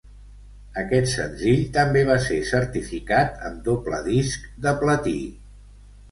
Aquest senzill també va ser certificat amb doble disc de platí.